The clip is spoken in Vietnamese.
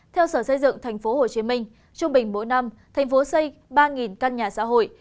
theo sở xây dựng tp hcm trung bình mỗi năm thành phố xây ba căn nhà xã hội